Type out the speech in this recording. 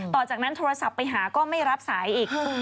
ต่อจากนั้นโทรศัพท์ไปหาก็ไม่รับสายอีก